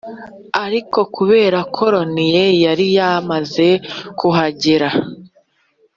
ariko kubera ko ronnie yari yamaze kuhagera